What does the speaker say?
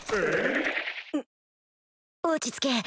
落ち着け